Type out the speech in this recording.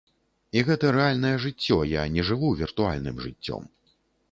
І гэта рэальнае жыццё, я не жыву віртуальным жыццём.